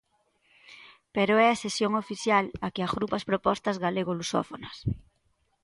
Pero é a sección oficial a que agrupa as propostas galego lusófonas.